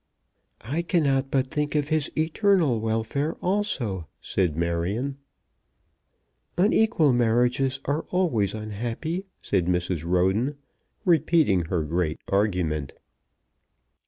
"I cannot but think of his eternal welfare also," said Marion. "Unequal marriages are always unhappy," said Mrs. Roden, repeating her great argument.